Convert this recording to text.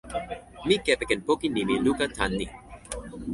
mi kepeken poki nimi luka tan ni.